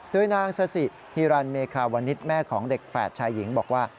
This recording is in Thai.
โดยนางซาสิฮิรันเมคาวนิษฐ์แม่ของเด็กแฝดชายหญิงบอกว่า